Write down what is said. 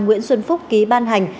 nguyễn xuân phúc ký ban hành